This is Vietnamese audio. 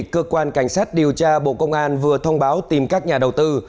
cơ quan cảnh sát điều tra bộ công an vừa thông báo tìm các nhà đầu tư